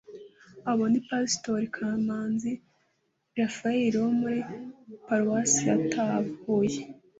Abo ni Pastori Kamanzi Raphael wo muri Paruwasi ya Taba (Huye)